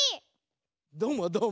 どうもどうも。